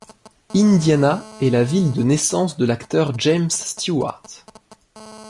Indiana est la ville de naissance de l’acteur James Stewart.